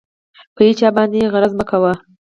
په هېچا باندې غرض مه کوئ.